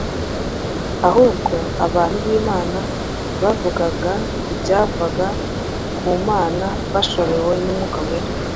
ahubwo abantu b’Imana bavugaga ibyavaga ku Mana bashorewe n’Umwuka Wera